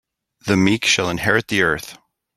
The meek shall inherit the earth.